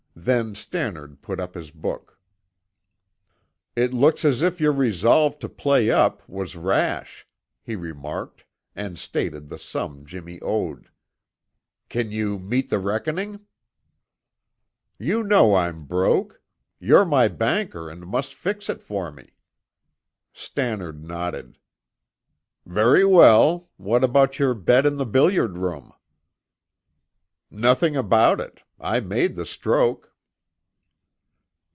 Then Stannard put up his book. "It looks as if your resolve to play up was rash," he remarked and stated the sum Jimmy owed. "Can you meet the reckoning?" "You know I'm broke. You're my banker and must fix it for me." Stannard nodded. "Very well! What about your bet in the billiard room?" "Nothing about it. I made the stroke."